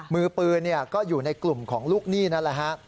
มือปืนก็อยู่ในกลุ่มของลูกหนี้นั่นแหละฮะ